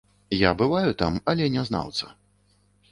Я бываю там, але не знаўца.